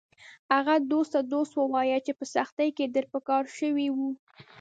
هغه دوست ته دوست ووایه چې په سختۍ کې در په کار شوی و